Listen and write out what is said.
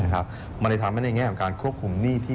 สิ่งใดที่ทำให้ในง่ายการควบคุมหนี้ที่